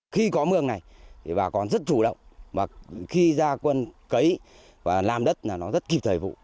khi có mương này thì bà con rất chủ động và khi ra quân cấy và làm đất là nó rất kịp thời vụ